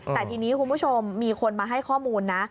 แต่ทีนี้คุณผู้ชมมีคนมาให้ข้อมูลนะ